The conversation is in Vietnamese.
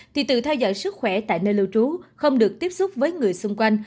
thì tự theo dõi sức khỏe tại nơi lưu trú không được tiếp xúc với người xung quanh